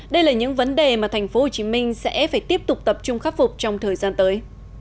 đây là những vấn đề mà thành phố hồ chí minh sẽ phải tiếp tục tập trung khắc phục trong thời gian tới